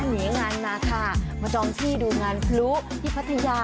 หนีงานมาค่ะมาจองที่ดูงานพลุที่พัทยา